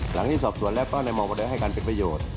หลังที่สอบสวนแล้วก็ในมองพอเด้อให้กันเป็นประโยชน์